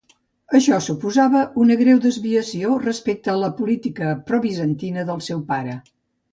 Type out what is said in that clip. Això suposava una greu desviació respecte a la política probizantina del seu pare.